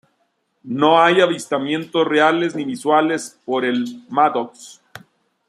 No hay avistamientos reales ni visuales por el "Maddox".